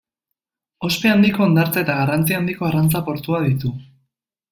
Ospe handiko hondartza eta garrantzi handiko arrantza portua ditu.